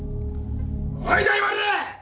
おい大丸！